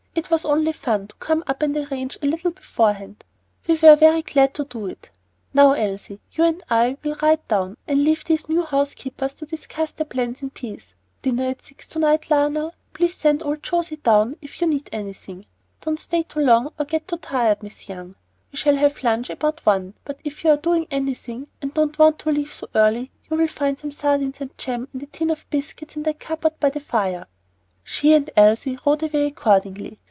"It was only fun to come up and arrange a little beforehand. We were very glad to do it. Now, Elsie, you and I will ride down, and leave these new housekeepers to discuss their plans in peace. Dinner at six to night, Lionel; and please send old José down if you need anything. Don't stay too long or get too tired, Miss Young. We shall have lunch about one; but if you are doing anything and don't want to leave so early, you'll find some sardines and jam and a tin of biscuits in that cupboard by the fire." She and Elsie rode away accordingly.